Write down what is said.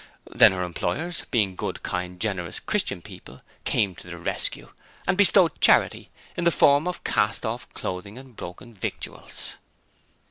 Then her employers, being good, kind, generous, Christian people, came to the rescue and bestowed charity, in the form of cast off clothing and broken victuals.